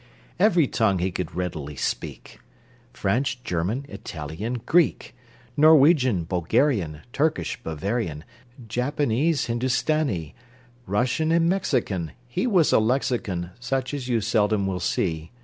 Every tongue he could readily speak: French, German, Italian, Greek, Norwegian, Bulgarian, Turkish, Bavarian, Japanese, Hindustanee, Russian and Mexican! He was a lexicon, Such as you seldom will see.